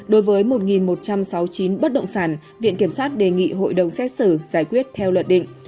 đối với một một trăm sáu mươi chín bất động sản viện kiểm sát đề nghị hội đồng xét xử giải quyết theo luật định